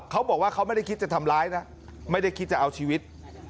เขาบอกว่าเขาไม่ได้คิดจะทำร้ายนะไม่ได้คิดจะเอาชีวิต